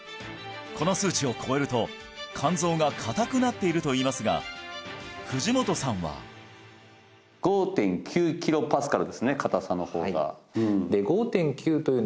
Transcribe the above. この数値を超えると肝臓が硬くなっているといいますが藤本さんはですね